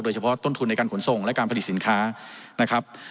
โดยเฉพาะต้นทุนในการขนส่งและการผลิตสินค้า